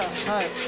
はい。